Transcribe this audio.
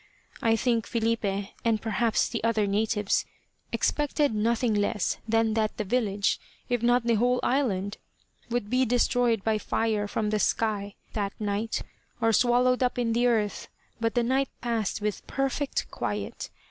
I think Filipe, and perhaps the other natives, expected nothing less than that the village, if not the whole island, would be destroyed by fire from the sky, that night, or swallowed up in the earth, but the night passed with perfect quiet.